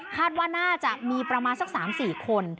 ว่าน่าจะมีประมาณสัก๓๔คน